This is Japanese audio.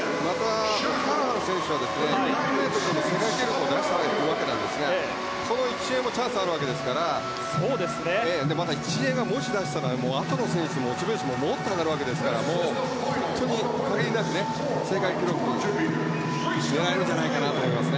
オキャラハン選手は２００ｍの世界記録を出したわけですがその１泳がチャンスもあるわけですからまた、１泳がいいタイムを出したらモチベーションがもっと上がるわけですから限りなく世界記録を狙えるんじゃないかなと思います。